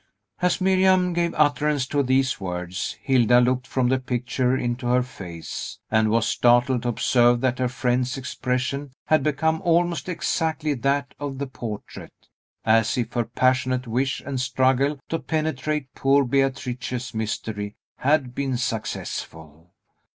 As Miriam gave utterance to these words, Hilda looked from the picture into her face, and was startled to observe that her friend's expression had become almost exactly that of the portrait; as if her passionate wish and struggle to penetrate poor Beatrice's mystery had been successful.